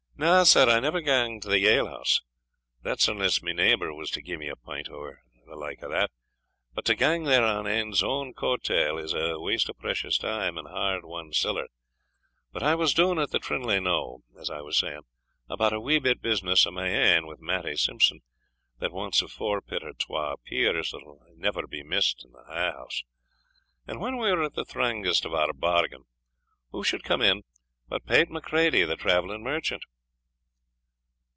"Na, sir; I never gang to the yillhouse that is unless ony neighbour was to gie me a pint, or the like o' that; but to gang there on ane's ain coat tail, is a waste o' precious time and hard won siller. But I was doun at the Trinlay knowe, as I was saying, about a wee bit business o' my ain wi' Mattie Simpson, that wants a forpit or twa o' peers that will never be missed in the Ha' house and when we were at the thrangest o' our bargain, wha suld come in but Pate Macready the travelling merchant?"